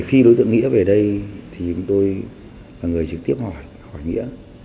khi đối tượng nghĩa về đây thì chúng tôi là người trực tiếp hỏi nghĩa